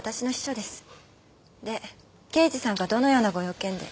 で刑事さんがどのようなご用件で？